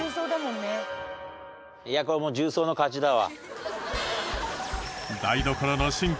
いやこれもう重曹の勝ちだわ。